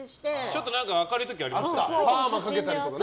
ちょっと明るい時ありましたよね。